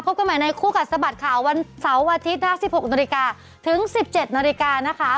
พบกันใหม่ในคู่กับสบัดข่าววันเสาร์วันอาทิตย์๕๑๖นถึง๑๗๐๐นนะคะ